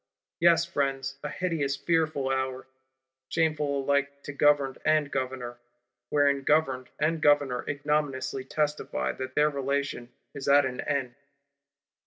Yes, Friends: a hideous fearful hour; shameful alike to Governed and Governor; wherein Governed and Governor ignominiously testify that their relation is at an end.